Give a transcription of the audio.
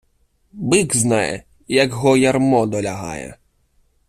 Бик знає, як го ярмо долягає.